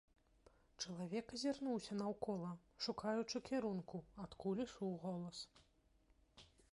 Чалавек азірнуўся наўкола, шукаючы кірунку, адкуль ішоў голас.